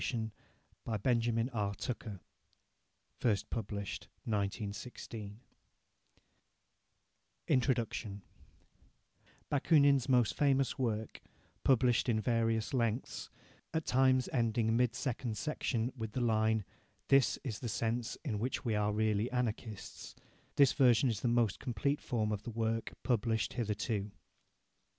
Table of Contents: Introduction Chapter I Chapter II Chapter III Chapter IV Bakunin's most famous work, published in various lengths, at times ending mid second section with the line "This is the sense in which we are really Anarchists.", this version is the most complete form of the work published hitherto.